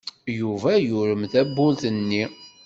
Yuba yurem tawwurt-nni.